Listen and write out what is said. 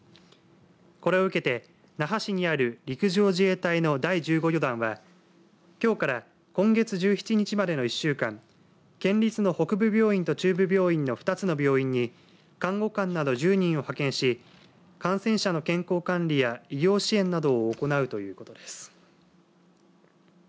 これを受けて那覇市にある陸上自衛隊の第１５旅団はきょうから今月１７日までの１週間県立の北部病院と中部病院の２つの病院に看護官など１０人を派遣し感染者の健康管理や医療支援などを行うということです。